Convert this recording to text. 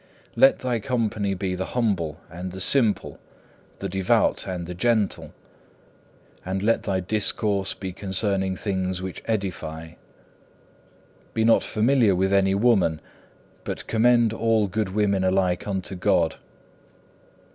Let thy company be the humble and the simple, the devout and the gentle, and let thy discourse be concerning things which edify. Be not familiar with any woman, but commend all good women alike unto God.